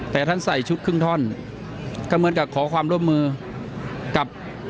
แต่ท่านใส่ชุดครึ่งท่อนก็เหมือนกับขอความร่วมมือกับ